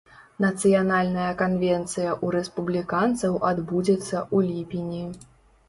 Нацыянальная канвенцыя ў рэспубліканцаў адбудзецца ў ліпені.